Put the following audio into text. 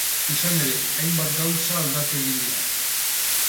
Izan ere, hainbat gauza aldatu egin dira.